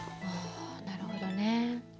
あなるほどね。